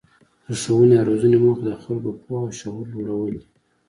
د ښوونې او روزنې موخه د خلکو پوهه او شعور لوړول دي.